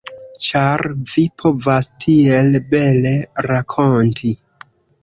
Ĉar vi povas tiel bele rakonti.